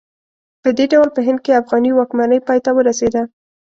په دې ډول په هند کې افغاني واکمنۍ پای ته ورسېده.